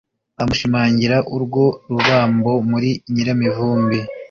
amushimangira urwo rubambo muri nyiramivumbi